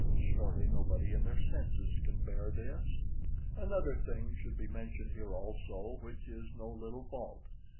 Surely nobody in their senses can bear this. Another thing should be mentioned here also, which is no little fault.